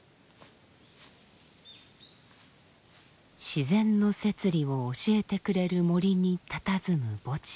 自然の摂理を教えてくれる森にたたずむ墓地。